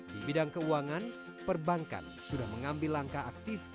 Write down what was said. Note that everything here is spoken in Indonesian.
di bidang keuangan perbankan sudah mengambil langkah aktif